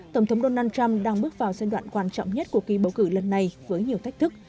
tổng thống donald trump đang bước vào giai đoạn quan trọng nhất của kỳ bầu cử lần này với nhiều thách thức